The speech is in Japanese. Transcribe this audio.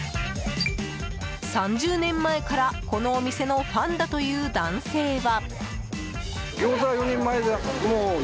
３０年前から、このお店のファンだという男性は。